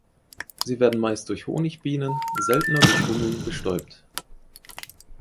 Sie werden meist durch Honigbienen, seltener durch Hummeln bestäubt.